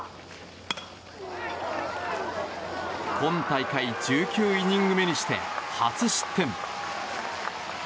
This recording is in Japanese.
今大会１９イニング目にして初失点。